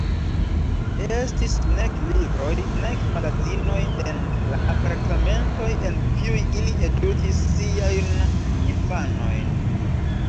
Estis nek libroj, nek magazinoj en la apartamentoj, en kiuj ili edukis siajn infanojn.